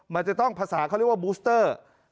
มันจะต้องภาษาเขาเรียกว่าบูสเตอร์